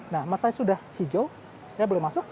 nah emas saya sudah hijau saya belum masuk